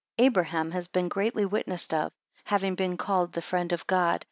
19 Abraham has been greatly witnessed of; having been called the friend of God.